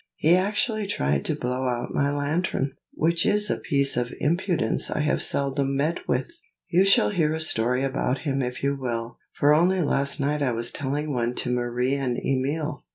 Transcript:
He actually tried to blow out my lantern, which is a piece of impudence I have seldom met with. You shall hear a story about him if you will, for only last night I was telling one to Marie and Emil."